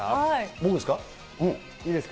僕ですか。